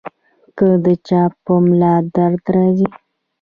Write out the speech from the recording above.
کۀ د چا پۀ ملا درد راځي -